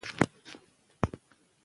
ښتې د افغانستان د ښاري پراختیا سبب کېږي.